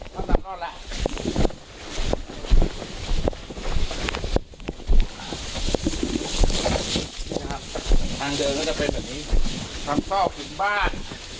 ทางเดินก็จะเป็นแบบนี้ทางส้อขึ้นบ้าน